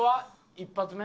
一発目？